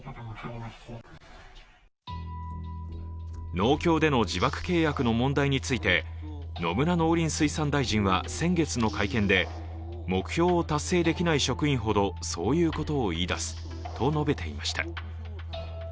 農協での自爆契約の問題について、野村農林水産大臣は先月の会見で目標を達成できない職員ほどそういうことを言い出すと述べていました。